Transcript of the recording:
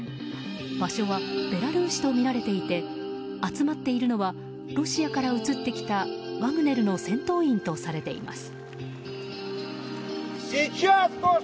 場所はベラルーシとみられていて集まっているのはロシアから移ってきたワグネルの戦闘員とされています。